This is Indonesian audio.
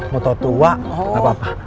motor tua gak apa apa